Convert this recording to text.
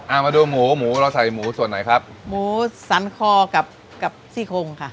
เอามาดูหมูหมูเราใส่หมูส่วนไหนครับหมูสันคอกับกับซี่โคงค่ะ